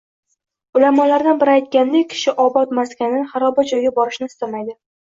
Ulamolardan biri aytganidek, kishi obod maskandan xaroba joyga borishni istamaydi.